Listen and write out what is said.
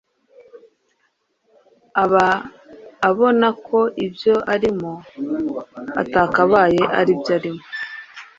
aba abona ko ibyo arimo atakabaye aribyo arimo.